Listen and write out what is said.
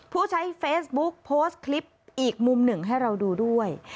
ผู้ใช้เฟซบุ๊กโพสต์คลิปอีกมุมหนึ่งให้เราดูด้วย